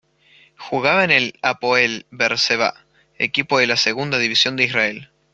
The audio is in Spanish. Jugaba en el Hapoel Beersheba, equipo de la Segunda división de Israel.